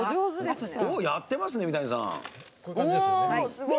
やってますね、三谷さん。